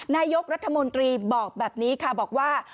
นายกรัฐมนตรีบอกแบบนี้ค่ะบอกว่า